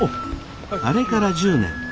あれから１０年。